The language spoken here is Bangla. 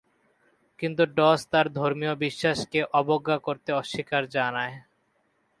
কিন্তু ডস তার ধর্মীয় বিশ্বাসকে অবজ্ঞা করতে অস্বীকৃতি জানায়।